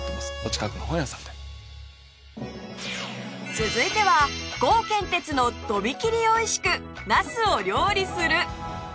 続いてはコウケンテツのとびきりおいしくなすを料理する！